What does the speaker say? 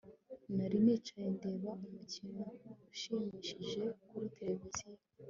Nari nicaye ndeba umukino ushimishije kuri tereviziyo